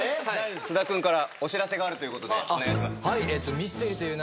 菅田君からお知らせがあるということでお願いします。